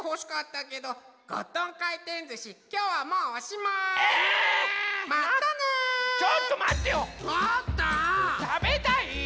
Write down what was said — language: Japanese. たべたい！